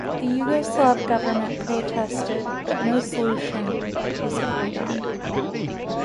The Yugoslav government protested, but no solution was agreed on.